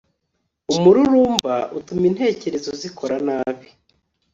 umururumba utuma intekerezo zikora nabi